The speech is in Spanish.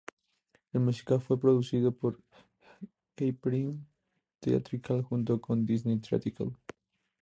El musical fue producido por Hyperion Theatrical junto con Disney Theatrical.